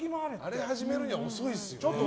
あれを始めるには遅いですよね。